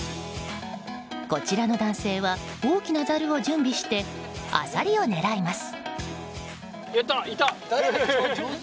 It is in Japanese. こちらの男性は大きなざるを準備してアサリを狙います。